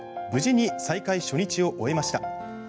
無事に再開初日を終えました。